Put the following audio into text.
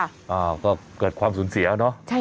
อ้าวก็เกิดความสูญเสียเนอะ